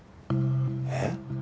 えっ？